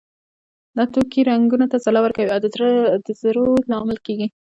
دا توکي رنګونو ته ځلا ورکوي او د زرو لامل کیږي.